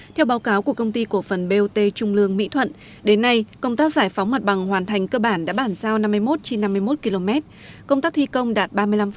theo báo cáo của công ty cổ phần bot trung lương mỹ thuận đến nay công tác giải phóng mặt bằng hoàn thành cơ bản đã bản giao năm mươi một trên năm mươi một km công tác thi công đạt ba mươi năm